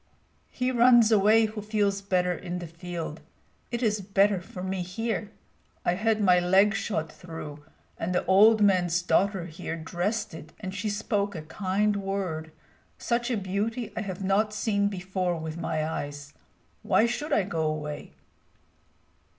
"He runs away who feels better in the field; it is better for me here. I had my leg shot through, and the old man's daughter here dressed it, and she spoke a kind word. Such a beauty I have not seen before with my eyes. Why should I go away?"